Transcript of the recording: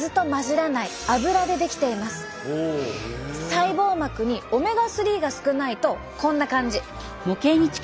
細胞膜にオメガ３が少ないとこんな感じ。